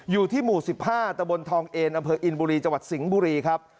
อยู่ที่หมู่๑๕ตะบนทองเอนอำเภออินบุรีจังหวัดสิงห์บุรีครับ